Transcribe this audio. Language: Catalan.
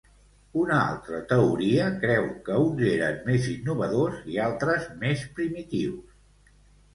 Una altra teoria creu que uns eren més innovadors, i altres més primitius.